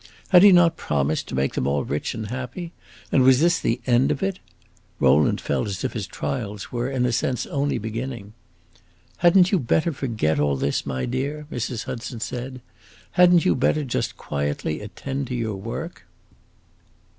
Had he not promised to make them all rich and happy? And this was the end of it! Rowland felt as if his trials were, in a sense, only beginning. "Had n't you better forget all this, my dear?" Mrs. Hudson said. "Had n't you better just quietly attend to your work?"